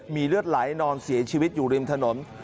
มีเลือดไหลนอนเสียชีวิตอยู่ริมถนน